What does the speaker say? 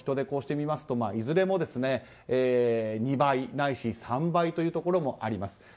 こうして見ますと、いずれも２倍ないし３倍というところもあります。